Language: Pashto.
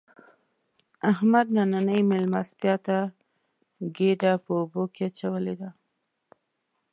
احمد نننۍ مېلمستیا ته ګېډه په اوبو کې اچولې ده.